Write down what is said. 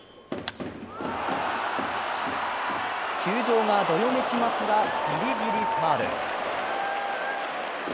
球場がどよめきますがキリキリファウル。